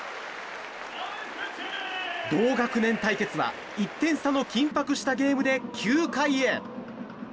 同学年対決は１点差の緊迫したゲームで９回へ。